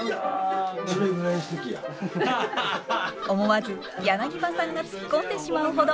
思わず柳葉さんがツッコんでしまうほど。